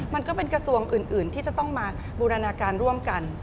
มันก็เป็นกระทรวงอื่นที่จะต้องมาบูรณาการร่วมกัน